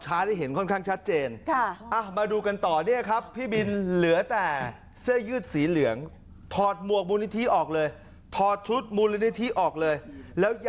ช้าให้เห็นค่อนข้างชัดเจนค่ะอ่ามาดูกันต่อเนี้ย